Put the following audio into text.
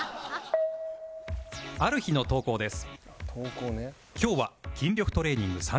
ある日の投稿です